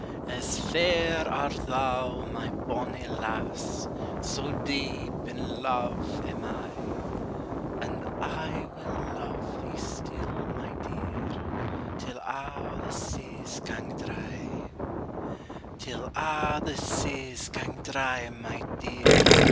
As fair art thou, my bonnie lass, So deep in luve am I: And I will luve thee still, my dear, Till a' the seas gang dry: Till a' the seas gang dry, my dear.